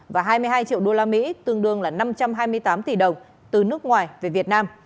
và hai mươi hai triệu đô la mỹ tương đương là năm trăm hai mươi tám tỷ đồng từ nước ngoài về việt nam